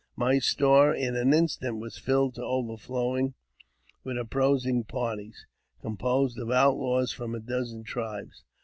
My store in an instant was filled to overflowing with opposing parties, composed of outlaws from a dozen tribes.